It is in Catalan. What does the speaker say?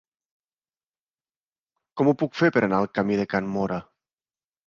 Com ho puc fer per anar al camí de Can Móra?